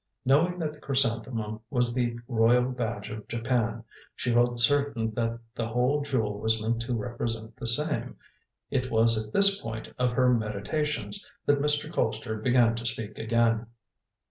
Knowing that the chrysanthemum was the royal badge of Japan, she felt certain that the whole jewel was meant to represent the same. It was at this point of her meditations that Mr. Colpster began to speak again.